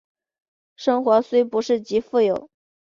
生活虽不是极富有